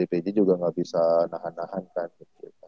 kita di pj juga ga bisa nahan nahankan gitu